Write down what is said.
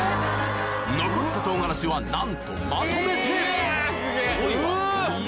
残った唐辛子はなんとまとめてすごいわ。